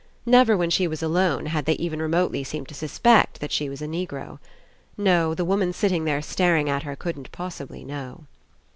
Never, when she was alone, had they even remotely seemed to suspect that she was a Negro. No, the woman sitting there staring at her couldn't possibly know.